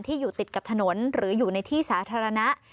อยู่ติดกับถนนหรืออยู่ในที่สาธารณะ